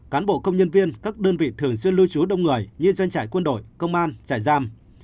cán bộ công nhân viên các đơn vị thường xuyên lưu trú đông người như doanh trại quân đội công an trại giam